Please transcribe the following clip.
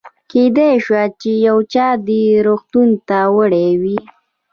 کېدای شوه چې یو چا دې روغتون ته وړی وي.